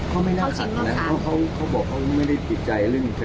คิดว่าเก้าไกลจะขัดได้ไหมคะ